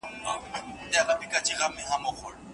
ولې د لارښود او شاګرد مزاجي یووالی ضروري دی؟